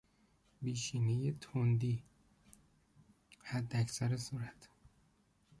بیشینهی تندی، حداکثر سرعت